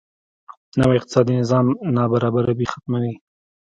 نوی اقتصادي نظام نابرابري ختموي.